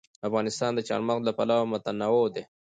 افغانستان د چار مغز له پلوه متنوع دی.